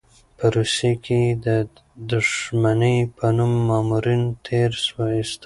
په روسيې کې یې د دښمنۍ په نوم مامورین تېر ایستل.